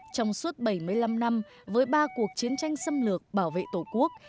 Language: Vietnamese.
trong suốt bảy mươi năm năm với ba cuộc chiến tranh xâm lược bảo vệ tổ quốc